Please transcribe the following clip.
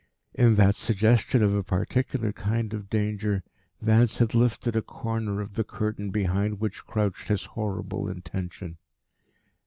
In that suggestion of a particular kind of danger Vance had lifted a corner of the curtain behind which crouched his horrible intention.